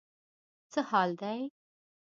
څه حال دی.